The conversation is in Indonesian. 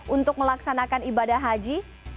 untuk melaksanakan ibadah haji